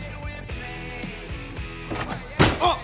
あっ！